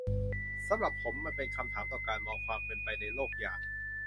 สำหรับผม มันตั้งคำถามต่อการมองความเป็นไปในโลกอย่าง